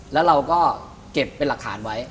แล้วเราก็เก็บเป็นหลักฐานไว้